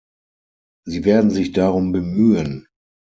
Sie werden sich darum bemühen.